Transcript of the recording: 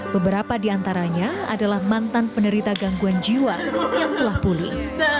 beberapa di antaranya adalah mantan penderita gangguan jiwa yang telah pulih